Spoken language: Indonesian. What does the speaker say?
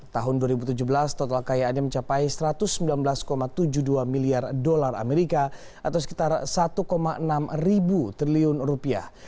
tahun dua ribu tujuh belas total kekayaannya mencapai satu ratus sembilan belas tujuh puluh dua miliar dolar amerika atau sekitar satu enam ribu triliun rupiah